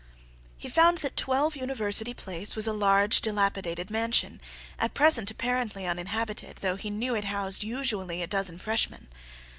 He found that 12 University Place was a large, dilapidated mansion, at present apparently uninhabited, though he knew it housed usually a dozen freshmen.